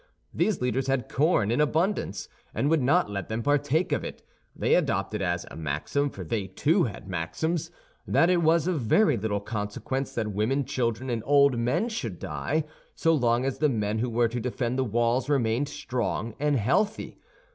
These leaders had corn in abundance, and would not let them partake of it; they adopted as a maxim—for they, too, had maxims—that it was of very little consequence that women, children, and old men should die, so long as the men who were to defend the walls remained strong and healthy.